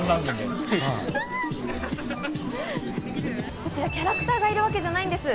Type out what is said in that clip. こちら、キャラクターがいるわけじゃないんです。